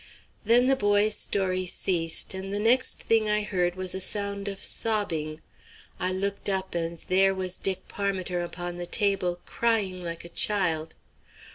Then the boy's story ceased, and the next thing I heard was a sound of sobbing. I looked up, and there was Dick Parmiter upon the table, crying like a child.